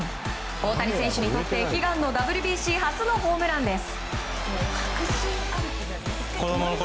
大谷選手にとって悲願のＷＢＣ初のホームランです。